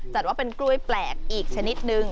จัดว่าเป็นกล้วยแปลกอีกชนิดนึง